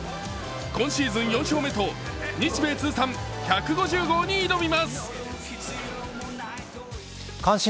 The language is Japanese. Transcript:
今シーズン４勝目と日米通算１５０号に挑みます。